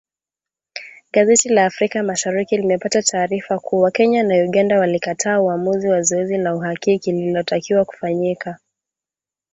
Gazeti la Afrika Mashariki limepata taarifa kuwa Kenya na Uganda walikataa uamuzi wa zoezi la uhakiki lililotakiwa kufanyika